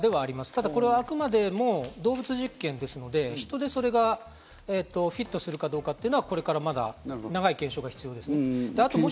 ただあくまでも動物実験ですので、人でそれがフィットするかどうかというのは、これから、まだ長い検証が必要です。